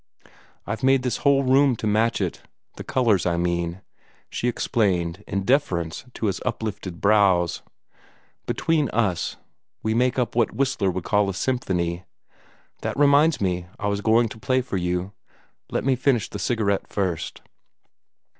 "I've made this whole room to match it. The colors, I mean," she explained, in deference to his uplifted brows. "Between us, we make up what Whistler would call a symphony. That reminds me I was going to play for you. Let me finish the cigarette first."